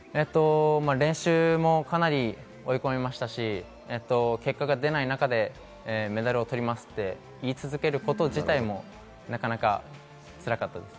練習もかなり追い込みましたし、結果が出ない中でメダルを取りますって言い続けること自体もつらかったです。